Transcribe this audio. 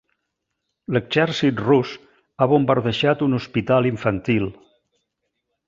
L'exèrcit rus ha bombardejat un hospital infantil.